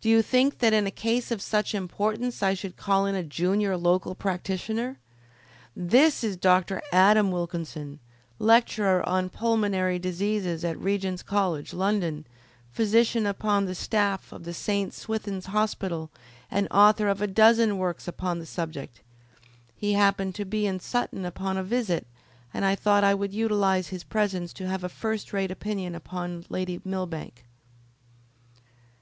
"Did you think that in a case of such importance I should call in a junior local practitioner! This is Dr. Adam Wilkinson, lecturer on pulmonary diseases at Regent's College, London, physician upon the staff of the St. Swithin's Hospital, and author of a dozen works upon the subject. He happened to be in Sutton upon a visit, and I thought I would utilise his presence to have a first rate opinion upon Lady Millbank."